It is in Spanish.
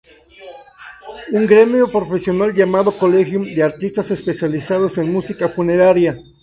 Un gremio profesional llamado "collegium" de artistas especializados en música funeraria.